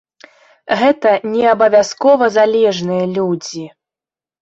Гэта не абавязкова залежныя людзі.